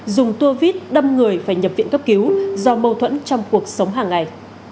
dùng tua vít đâm người phải nhập viện cấp cứu do mâu thuẫn trong cuộc sống hàng ngày